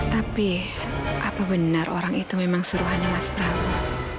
tapi apa benar orang itu memang suruhannya mas prabu